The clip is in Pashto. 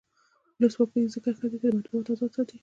ولسواکي ځکه ښه ده چې مطبوعات ازاد ساتي.